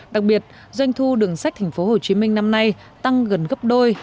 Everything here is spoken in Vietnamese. đặc biệt doanh thu đường sách tp hcm năm nay tăng gần gấp đôi